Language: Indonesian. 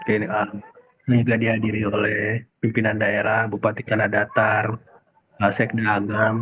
ini juga dihadiri oleh pimpinan daerah bupati kanadatar sekda agam